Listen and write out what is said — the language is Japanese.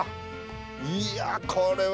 いこれは。